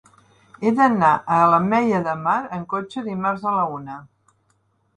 He d'anar a l'Ametlla de Mar amb cotxe dimarts a la una.